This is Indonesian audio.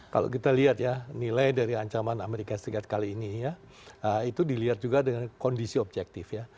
kalau kita lihat ya nilai dari ancaman amerika serikat kali ini ya itu dilihat juga dengan kondisi objektif ya